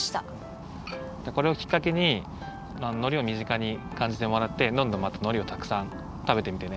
これをきっかけにのりをみぢかにかんじてもらってどんどんまたのりをたくさん食べてみてね。